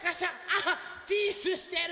あっピースしてる！